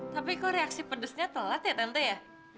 tapi kok reaksi pedesnya telat ya tentu ya